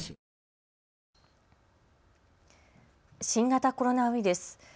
新型コロナウイルス。